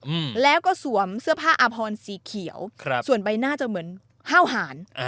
อืมแล้วก็สวมเสื้อผ้าอาพรสีเขียวครับส่วนใบหน้าจะเหมือนห้าวหารอ่า